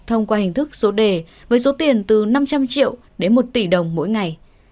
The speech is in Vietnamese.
thông qua hình thức số đề với số tiền từ năm trăm linh triệu đến một tỷ đồng mỗi ngày